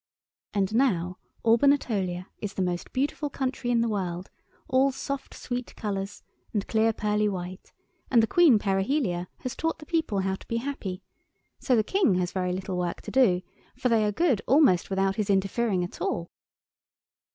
And now Albanatolia is the most beautiful country in the world, all soft sweet colours and clear pearly white; and the Queen Perihelia has taught the people how to be happy, so the King has very little work to do, for they are good almost without his interfering at all.